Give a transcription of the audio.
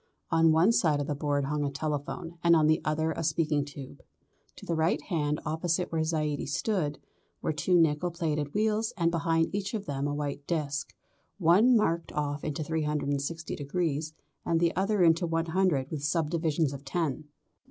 On one side of the board hung a telephone and on the other a speaking tube. To the right hand opposite where Zaidie stood were two nickel plated wheels and behind each of them a white disc, one marked off into 360 degrees, and the other into 100 with subdivisions of tens.